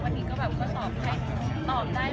แม่กับผู้วิทยาลัย